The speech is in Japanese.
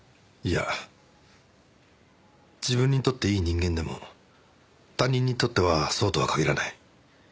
いや自分にとっていい人間でも他人にとってはそうとは限らない。